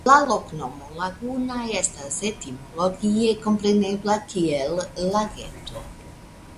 La loknomo "Laguna" estas etimologie komprenebla kiel "Lageto".